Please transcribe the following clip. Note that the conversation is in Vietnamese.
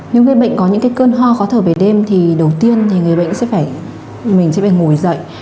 nếu người bệnh có những cái cơn ho khó thở về đêm thì đầu tiên thì người bệnh sẽ phải ngồi dậy